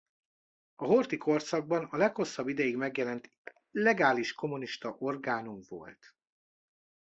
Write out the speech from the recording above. A Horthy-korszakban a leghosszabb ideig megjelent legális kommunista orgánum volt.